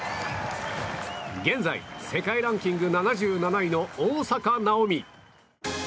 現在、世界ランキング７７位の大坂なおみ。